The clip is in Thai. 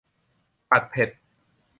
ผัดเผ็ด